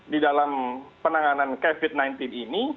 di dalam penanganan covid sembilan belas ini